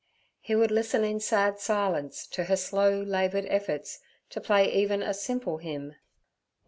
He would listen in sad silence to her slow, laboured efforts to play even a simple hymn.